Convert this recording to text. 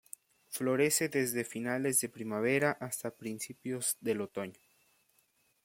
Florece desde finales de primavera hasta principios del otoño.